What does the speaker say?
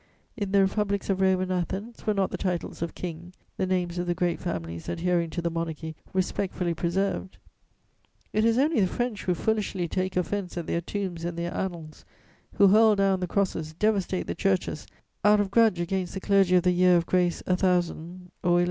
In the Republics of Rome and Athens, were not the titles of "King," the names of the great families adhering to the Monarchy respectfully preserved? It is only the French who foolishly take offense at their tombs and their annals, who hurl down the crosses, devastate the churches, out of grudge against the clergy of the Year of Grace 1000 or 1100.